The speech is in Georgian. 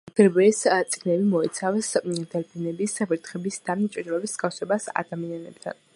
ვერბერის წიგნები მოიცავს დელფინების, ვირთხების და ჭიანჭველების მსგავსებას ადამიანებთან.